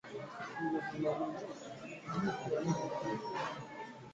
There is also a variety of Dogwitch merchandise, including tee-shirts, posters and barware.